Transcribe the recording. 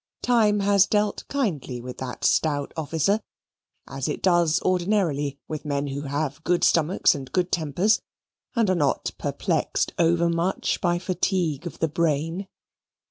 Time has dealt kindly with that stout officer, as it does ordinarily with men who have good stomachs and good tempers and are not perplexed over much by fatigue of the brain.